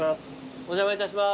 お邪魔いたします。